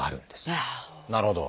なるほど。